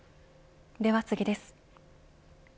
では次です。